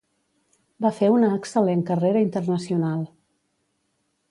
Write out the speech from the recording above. Va fer una excel·lent carrera internacional.